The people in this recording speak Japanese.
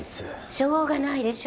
しょうがないでしょ？